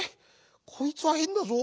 こいつはへんだぞ。